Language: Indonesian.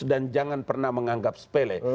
dan jangan pernah menganggap sepele